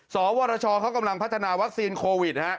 สวรชเขากำลังพัฒนาวัคซีนโควิด